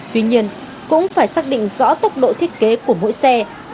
tuy nhiên cũng phải xác định rõ tốc độ thiết kế của mỗi xe